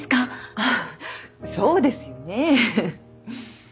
あっそうですよね。